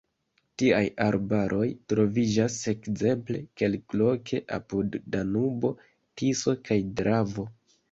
Tiaj arbaroj troviĝas ekzemple kelkloke apud Danubo, Tiso kaj Dravo.